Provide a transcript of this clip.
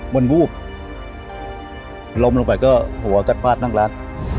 มนบูบลมลงไปก็หัวจัดพลาดนั่งลัด